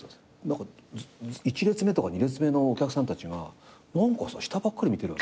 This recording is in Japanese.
１列目とか２列目のお客さんたちが何かさ下ばっかり見てるわけさ。